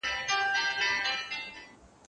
زه اجازه لرم چي اوبه پاک کړم